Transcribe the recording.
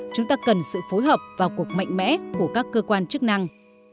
chúng ta cần sự phối hợp và cuộc mạnh mẽ của các cơ quan chức năng